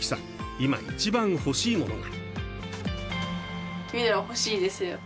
今、一番欲しいものが。